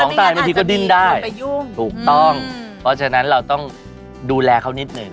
ตายบางทีก็ดิ้นได้ถูกต้องเพราะฉะนั้นเราต้องดูแลเขานิดหนึ่ง